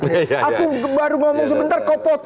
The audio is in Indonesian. aku baru ngomong sebentar ke potong